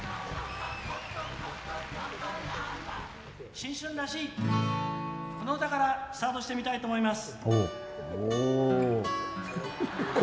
新春らしい、この歌からスタートしてみたいと思います。